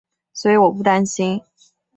所以我不担心